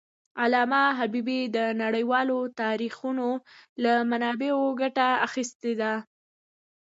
علامه حبيبي د نړیوالو تاریخونو له منابعو ګټه اخېستې ده.